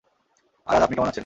আর আজ আপনি কেমন আছেন?